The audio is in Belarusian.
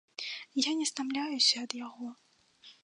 Я не стамляюся ад яго.